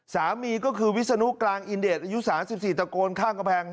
สามีก็คือวิศนุกลางอินเดชอายุ๓๔ตะโกนข้างกำแพง